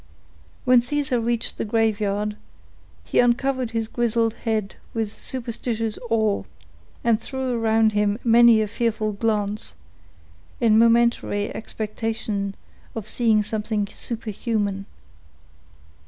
When Caesar reached the graveyard, he uncovered his grizzled head with superstitious awe, and threw around him many a fearful glance, in momentary expectation of seeing something superhuman.